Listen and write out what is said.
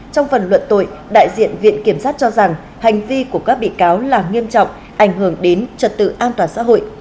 trong phần luận tội đại diện viện kiểm sát cho rằng hành vi của các bị cáo là nghiêm trọng ảnh hưởng đến trật tự an toàn xã hội